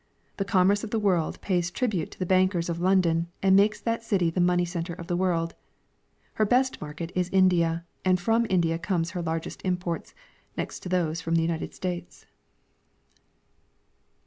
The commerce of the Avorlcl pays tribute to the bankers of London and makes that city the money center of the world. Her best market is India, and from India comes her largest imports ; next to these from the United States.